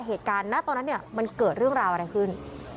เหตุการณ์ณตอนนั้นเนี่ยมันเกิดเรื่องราวอะไรขึ้น